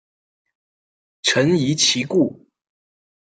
臣疑其故。